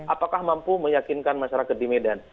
apakah mampu meyakinkan masyarakat di medan